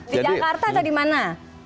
di jakarta atau di mana